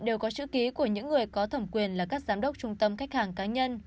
đều có chữ ký của những người có thẩm quyền là các giám đốc trung tâm khách hàng cá nhân